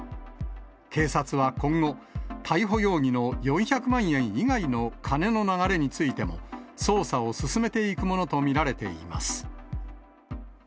警察は今後、逮捕容疑の４００万円以外の金の流れについても、捜査を進めていくものと見られています。